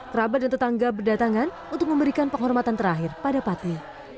kerabat dan tetangga berdatangan untuk memberikan penghormatan terakhir pada patmi